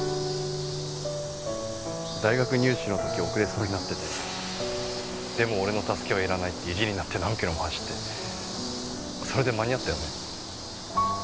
大学入試の時遅れそうになっててでも俺の助けはいらないって意地になって何キロも走ってそれで間に合ったよね。